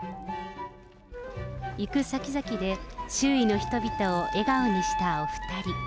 行く先々で周囲の人々を笑顔にしたお２人。